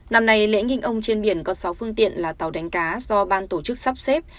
năm nay lễ nghinh ông trên biển có sáu phương tiện là tàu đánh cá do ban tổ chức sắp xếp